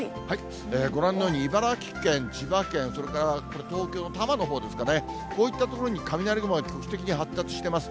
ご覧のように茨城県、千葉県、それから東京の多摩のほうですかね、こういった所に雷雲が局地的に発達しています。